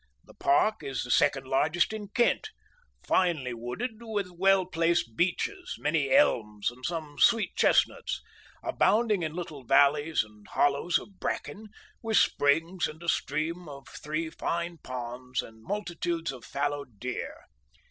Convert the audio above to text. The park is the second largest in Kent, finely wooded with well placed beeches, many elms and some sweet chestnuts, abounding in little valleys and hollows of bracken, with springs and a stream and three fine ponds and multitudes of fallow deer.